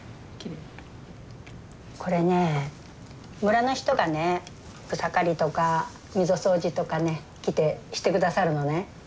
これね村の人がね草刈りとか溝掃除とかね来てしてくださるのね。